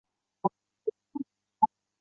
多次的行星重力助推将节省经费与燃料。